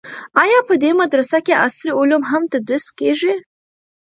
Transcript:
آیا په دې مدرسه کې عصري علوم هم تدریس کیږي؟